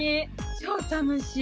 超楽しい！